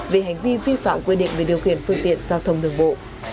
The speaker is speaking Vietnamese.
về hành vi vi phạm quy định về điều khiển phương tiện giao thông đường bộ